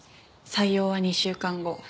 採用は２週間後。